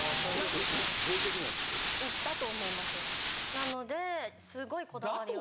なのですごいこだわりは。